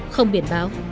không biển báo